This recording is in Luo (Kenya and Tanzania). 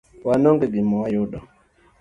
wan onge gima wayudo.